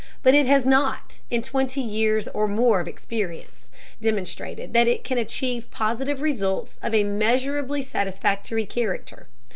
But it has not, in twenty years or more of experience, demonstrated that it can achieve positive results of a measurably satisfactory character.